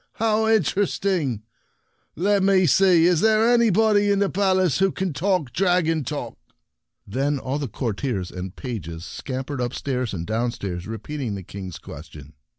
How interesting ! Let me see — is there anybody in the Palace who can talk dragon talk?" Interesting and the Dragons 37 Then all the courtiers and pages scampered upstairs and downstairs repeating the King's question.